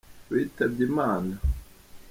witabye Imana.